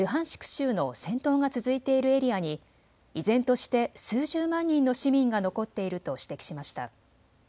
州の戦闘が続いているエリアに依然として数十万人の市民が残っていると指摘しました。